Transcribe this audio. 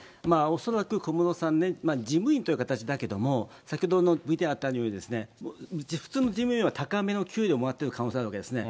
恐らく小室さんね、事務員という形だけれども、先ほどのＶＴＲにあったように、普通の事務員よりは高めの給与をもらってる可能性あるわけですね。